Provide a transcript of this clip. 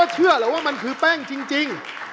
เชื่อแล้วว่ามันคือแป้งจริง